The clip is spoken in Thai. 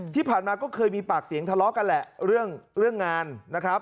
ที่ผ่านมาก็เคยมีปากเสียงทะเลาะกันแหละเรื่องงานนะครับ